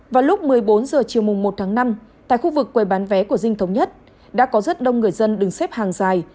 vào lúc một mươi bốn h chiều một tháng năm tại khu vực quầy bán vé của dinh thống nhất đã có rất đông người dân đứng xếp hàng dài